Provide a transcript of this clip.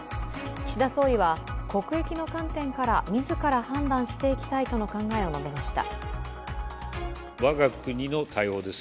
岸田総理は国益の観点からみずから判断していきたいとの考えを述べました。